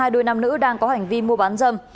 hai đôi nam nữ đang có hành vi mua bán dâm